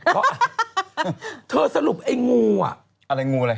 เพราะเธอสรุปไอ้งูอ่ะอะไรงูอะไร